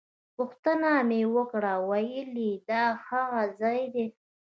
پوښتنه مې وکړه ویل یې دا هغه ځای دی.